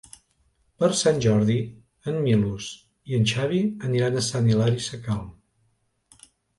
Per Sant Jordi en Milos i en Xavi aniran a Sant Hilari Sacalm.